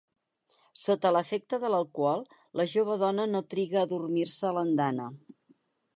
Sota l'efecte de l'alcohol, la jove dona no triga a adormir-se a l'andana.